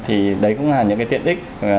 thì đấy cũng là những cái tiện ích